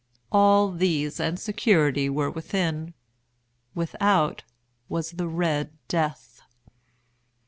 All these and security were within. Without was the "Red Death."